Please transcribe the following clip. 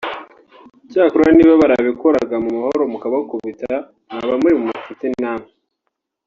Cyakora niba barabikoraga mu mahoro mukabakubita mwaba muri mu mafuti namwe”